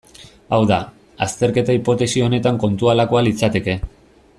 Hau da, azterketa hipotesi honetan kontua halakoa litzateke.